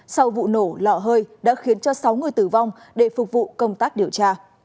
sau vụ nổ lọ hơi đã khiến cho sáu người tử vong để phục vụ công tác điều tra